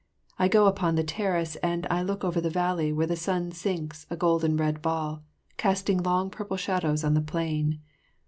I go upon the terrace and look over the valley where the sun sinks a golden red ball, casting long purple shadows on the plain.